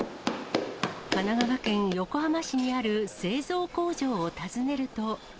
神奈川県横浜市にある製造工場を訪ねると。